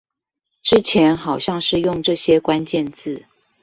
之前好像是用這些關鍵字